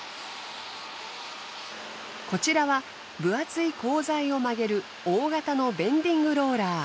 こちらは分厚い鋼材を曲げる大型のベンディングローラー。